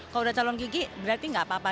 kalau udah calon gigi berarti nggak apa apa